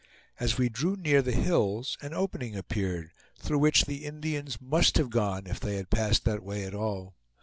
As we drew near the hills an opening appeared, through which the Indians must have gone if they had passed that way at all.